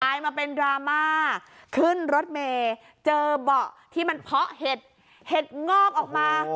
มาเป็นดราม่าขึ้นรถเมย์เจอเบาะที่มันเพาะเห็ดเห็ดงอกออกมา